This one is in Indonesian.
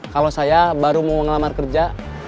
kalau saya baru mau mengelamar kerja